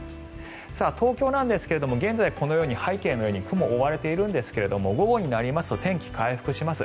東京なんですが現在、このように、背景のように雲に覆われているんですが午後になりますと天気回復します。